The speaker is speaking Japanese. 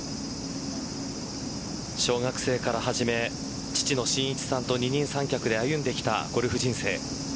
小学生から始め父の真一さんと二人三脚で歩んできたゴルフ人生。